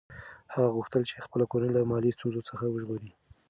هغه غوښتل چې خپله کورنۍ له مالي ستونزو څخه وژغوري.